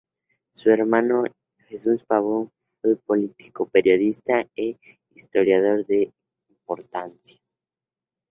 Su hermano, Jesús Pabón, fue un político, periodista e historiador de importancia.